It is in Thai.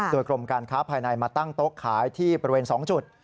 โดยกรมการค้าภายในมาตั้งโต๊ะขายที่บริเวณ๒จุด